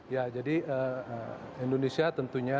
ya jadi indonesia tentunya